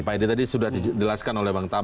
pak edi tadi sudah dijelaskan oleh bang taufi